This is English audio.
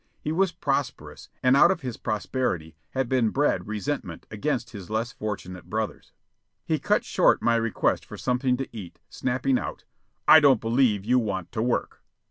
He was prosperous, and out of his prosperity had been bred resentment against his less fortunate brothers. He cut short my request for something to eat, snapping out, "I don't believe you want to work."